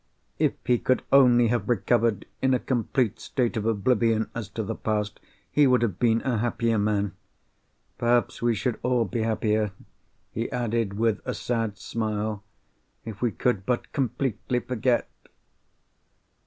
If he could only have recovered in a complete state of oblivion as to the past, he would have been a happier man. Perhaps we should all be happier," he added, with a sad smile, "if we could but completely forget!"